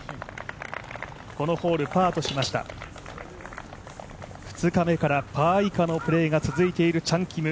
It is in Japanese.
このホール、パーとしました２日目からパー以下のプレーが続いているチャン・キム。